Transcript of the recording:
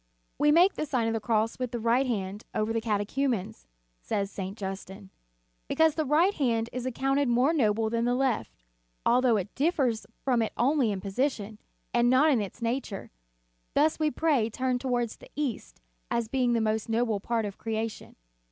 "We make the Sign of the Cross with the right hand over the catechumens," says St. Justin, "because the right hand is accounted more noble than the left, although it differs from it only in position, and not in its nature ; thus" we pray turned toward the east, as being the most noble part of creation.